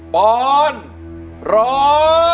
ปอนร้อง